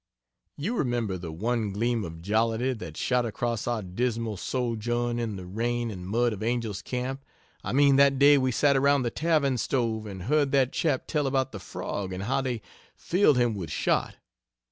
You remember the one gleam of jollity that shot across our dismal sojourn in the rain and mud of Angels' Camp I mean that day we sat around the tavern stove and heard that chap tell about the frog and how they filled him with shot.